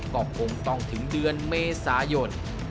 ก็คงต้องถึงเดือนเมษายน